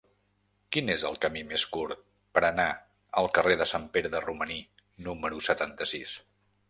Quin és el camí més curt per anar al carrer de Sant Pere de Romaní número setanta-sis?